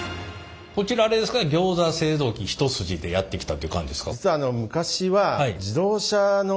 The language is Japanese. こちらあれですかギョーザ製造機一筋でやってきたという感じですか？